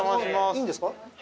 いいんですか？